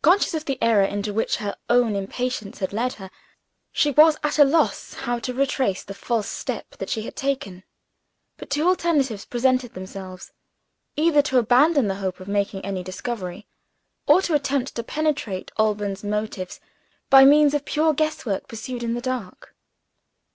Conscious of the error into which her own impatience had led her, she was at a loss how to retrace the false step that she had taken. But two alternatives presented themselves: either to abandon the hope of making any discovery or to attempt to penetrate Alban 's motives by means of pure guesswork, pursued in the dark.